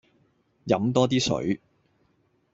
飲多啲水